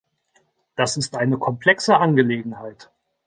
Das ist eine komplexe Angelegenheit.